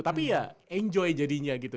tapi ya enjoy jadinya gitu